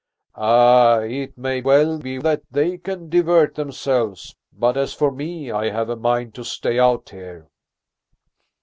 "Ay, it may well be that they can divert themselves, but, as for me, I have a mind to stay out here."